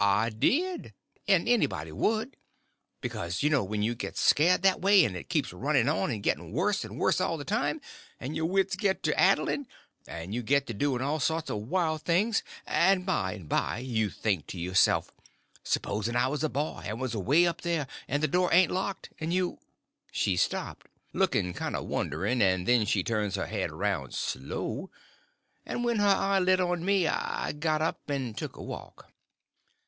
I did. And anybody would. Because, you know, when you get scared that way, and it keeps running on, and getting worse and worse all the time, and your wits gets to addling, and you get to doing all sorts o' wild things, and by and by you think to yourself, spos'n I was a boy, and was away up there, and the door ain't locked, and you—" She stopped, looking kind of wondering, and then she turned her head around slow, and when her eye lit on me—I got up and took a walk.